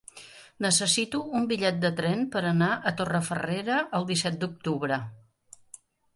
Necessito un bitllet de tren per anar a Torrefarrera el disset d'octubre.